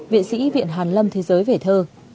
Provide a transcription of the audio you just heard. viện sĩ viện hàn lâm thế giới về thơ